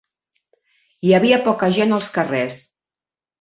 Hi havia poca gent als carrers.